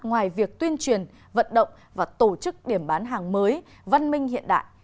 ngoài việc tuyên truyền vận động và tổ chức điểm bán hàng mới văn minh hiện đại